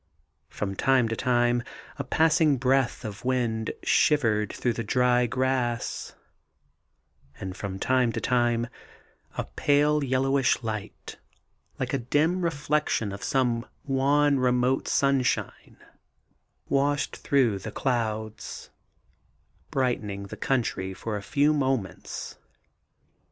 From time to time a passing breath of wind shivered through the dry grass, and from time to time a pale yellowish light, like a dim reflection of some wan remote sunshine, washed through the clouds, brightening the country for a few moments.